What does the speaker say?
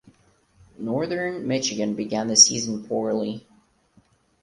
Northern Michigan began the season poorly.